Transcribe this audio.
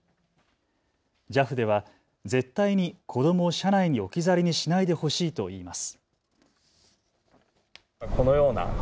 ＪＡＦでは絶対に子どもを車内に置き去りにしないでほしいといいます。